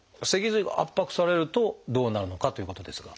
脊髄が圧迫されるとどうなるのかということですが。